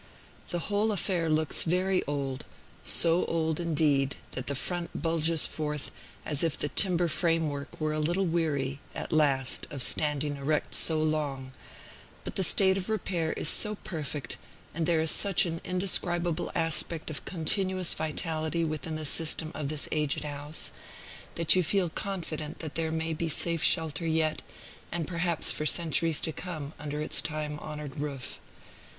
The whole affair looks very old, so old indeed that the front bulges forth, as if the timber framework were a little weary, at last, of standing erect so long; but the state of repair is so perfect, and there is such an indescribable aspect of continuous vitality within the system of this aged house, that you feel confident that there may be safe shelter yet, and perhaps for centuries to come, under its time honored roof.